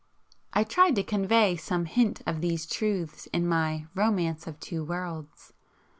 I tried to convey some hint of these truths in my "Romance of Two Worlds."